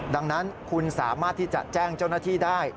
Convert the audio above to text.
ดังนั้นคุณสามารถที่จะแจ้งเจ้าหน้าที่ได้